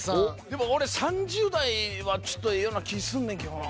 でも俺３０代はちょっとええような気ぃすんねんけどな。